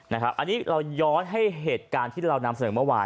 อันนี้เราย้อนให้เหตุการณ์ที่เรานำเสนอเมื่อวาน